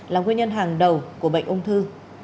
là nguyên nhân hàng đầu của bệnh ung thư